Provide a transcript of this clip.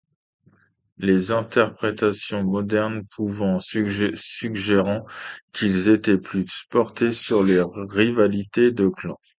Les interprétations modernes, pourtant, suggèrent qu'ils étaient plus portés sur les rivalités de clan.